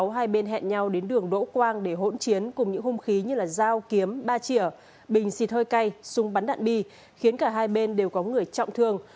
hai bên hẹn nhau đến đường đỗ quang để hỗn chiến cùng những hung khí như dao kiếm ba chỉa bình xịt hơi cay súng bắn đạn bi khiến cả hai bên đều có người trọng thương